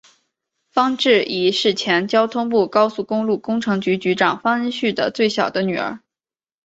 方智怡是前交通部高速公路工程局局长方恩绪的最小的女儿。